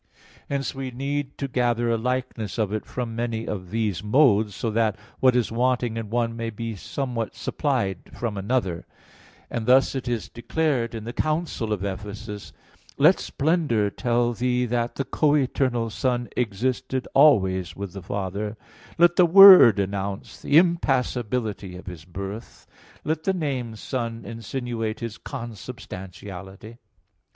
Hence we need to gather a likeness of it from many of these modes, so that what is wanting in one may be somewhat supplied from another; and thus it is declared in the council of Ephesus: "Let Splendor tell thee that the co eternal Son existed always with the Father; let the Word announce the impassibility of His birth; let the name Son insinuate His consubstantiality."